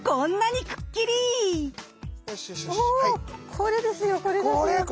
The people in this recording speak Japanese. これですよこれですよこれ。